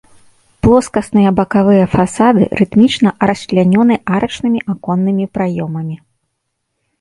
Плоскасныя бакавыя фасады рытмічна расчлянёны арачнымі аконнымі праёмамі.